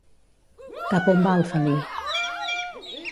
Cap on va el felí?